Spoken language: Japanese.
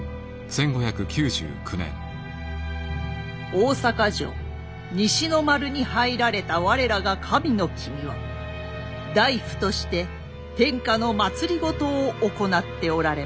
大坂城西の丸に入られた我らが神の君は内府として天下の政を行っておられました。